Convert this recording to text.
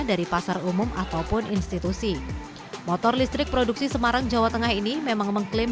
dari pasar umum ataupun institusi motor listrik produksi semarang jawa tengah ini memang mengklaim